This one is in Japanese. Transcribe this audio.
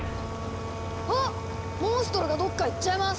あっモンストロがどっか行っちゃいます！